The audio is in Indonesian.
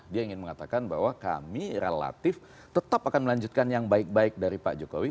dia ingin mengatakan bahwa kami relatif tetap akan melanjutkan yang baik baik dari pak jokowi